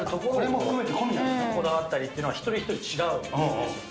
こだわったりとかっていうのが、一人一人違うんですよね。